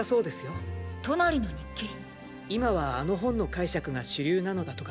今はあの本の解釈が主流なのだとか。